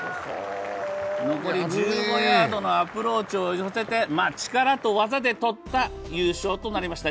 残り１５ヤードのアプローチを寄せて、力と技で取った優勝となりました。